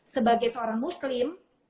sebagai seorang muslim